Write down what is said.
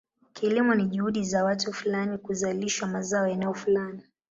Kilimo ni juhudi za watu fulani kuzalisha mazao eneo fulani.